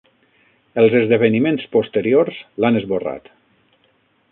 Els esdeveniments posteriors l'han esborrat